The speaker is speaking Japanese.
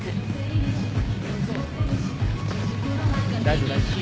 大丈夫大丈夫。